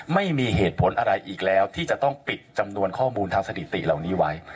ไม่มีเหตุผลอะไรอีกแล้วที่จะต้องปิดจำนวนข้อมูลทางสถิติเหล่านี้ไว้